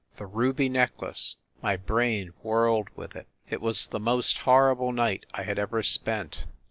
The ruby necklace! My brain whirled with it! It was the most horrible night I had ever spent.